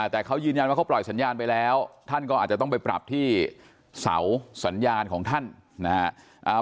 แต่เขายืนยันว่าเขาปล่อยสัญญาณไปแล้วท่านก็อาจจะต้องไปปรับที่เสาสัญญาณของท่านนะฮะ